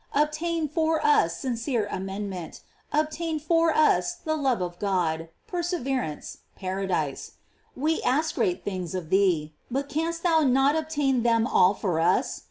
Obtain for us sincere amendment, obtain for us the love of God, perseverance, paradise. We ask great things of thee, but canst thou not obtain them all for us?